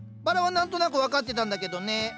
バラは何となく分かってたんだけどね。